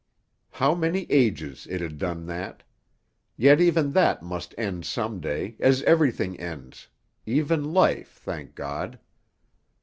How many ages it had done that! Yet even that must end some day, as everything ends even life, thank God!